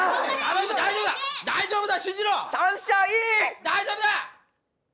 大丈夫だ！